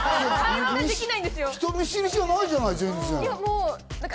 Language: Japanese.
人見知りじゃないじゃないですか、全然。